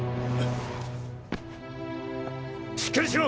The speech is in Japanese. しっかりしろ！